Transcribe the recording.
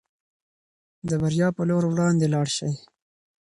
د بریا په لور وړاندې لاړ شئ.